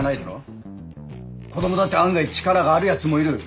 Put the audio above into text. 子どもだって案外力があるやつもいる。